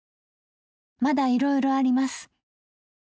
まだいろいろあります。